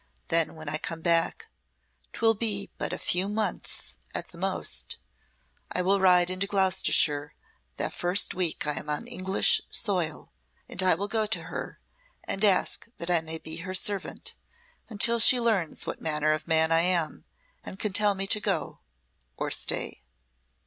Then when I come back 'twill be but a few months at the most I will ride into Gloucestershire the first week I am on English soil, and I will go to her and ask that I may be her servant until she learns what manner of man I am and can tell me to go or stay."